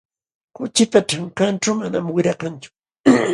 Kuchipa ćhankanćhu manam wira kanchu.